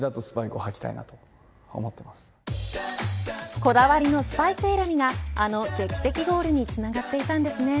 こだわりのスパイク選びがあの劇的ゴールにつながっていたんですね。